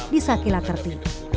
di sakila kerti